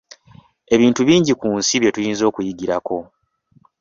Ebintu bingi ku nsi bye tuyinza okuyigirako.